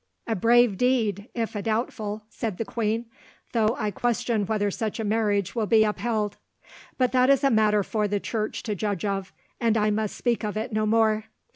"A brave deed, if a doubtful," said the queen, "though I question whether such a marriage will be upheld. But that is a matter for the Church to judge of, and I must speak of it no more.